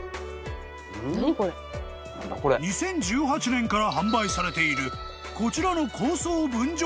［２０１８年から販売されているこちらの］